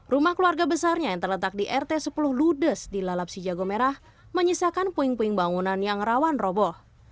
rumah keluarga besarnya yang terletak di rt sepuluh ludes di lalap si jago merah menyisakan puing puing bangunan yang rawan roboh